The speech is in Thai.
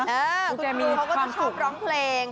คุณครูเขาก็ชอบร้องเพลง